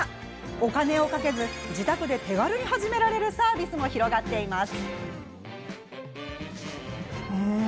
お金をかけず自宅で手軽に始められるサービスも広がっています。